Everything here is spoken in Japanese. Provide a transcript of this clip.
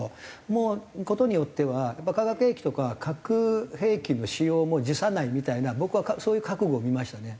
もう事によってはやっぱり化学兵器とか核兵器の使用も辞さないみたいな僕はそういう覚悟を見ましたね。